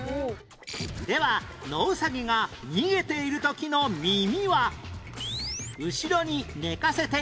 ではノウサギが逃げている時の耳は